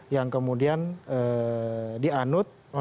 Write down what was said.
yang kemudian dianut